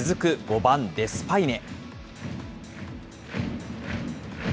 続く５番デスパイネ。